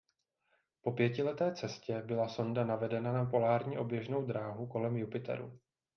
Po pětileté cestě byla sonda navedena na polární oběžnou dráhu kolem Jupiteru.